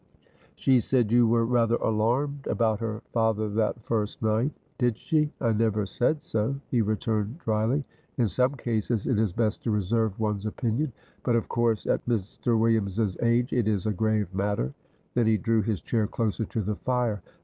"She said you were rather alarmed about her father that first night." "Did she? I never said so," he returned, dryly; "in some cases it is best to reserve one's opinion; but of course at Mr. Williams's age it is a grave matter;" then he drew his chair closer to the fire.